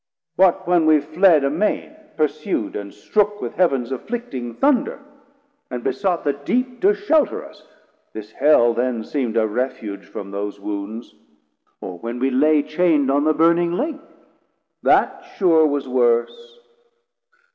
What when we fled amain, pursu'd and strook With Heav'ns afflicting Thunder, and besought The Deep to shelter us? this Hell then seem'd A refuge from those wounds: or when we lay Chain'd on the burning Lake? that sure was worse.